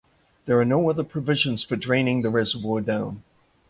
There are no other provisions for draining the reservoir down.